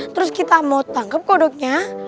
terus kita mau tangkep produknya